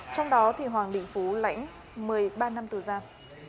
trong đó thì hoàng đình phú lãnh một mươi ba năm tù giam